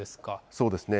そうですね。